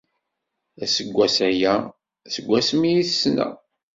Aseggas aya seg wasmi i t-ssneɣ.